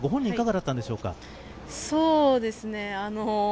ご本人いかがだったんでしょうか。